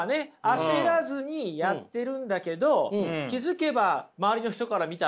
焦らずにやってるんだけど気付けば周りの人から見たらすごいと。